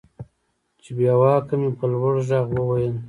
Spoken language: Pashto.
چې بېواكه مې په لوړ ږغ وويل.